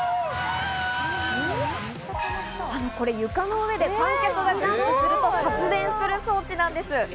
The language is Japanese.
これ、床の上で観客がジャンプすると発電する装置なんです。